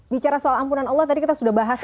bicara soal ampunan allah tadi kita sudah bahas